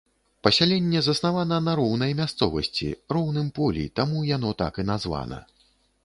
Пасяленне заснавана на роўнай мясцовасці, роўным полі, таму яно так і названа.